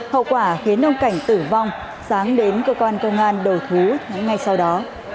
hậu quả khiến ông cảnh tử vong sáng đến cơ quan công an đầu thú ngay sau đó